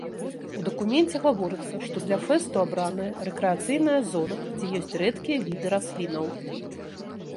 У дакуменце гаворыцца, што для фэсту абраная рэкрэацыйная зона, дзе ёсць рэдкія віды раслінаў.